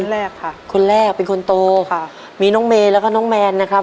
แรกค่ะคนแรกเป็นคนโตค่ะมีน้องเมย์แล้วก็น้องแมนนะครับ